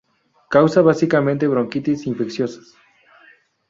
Causa básicamente bronquitis infecciosas.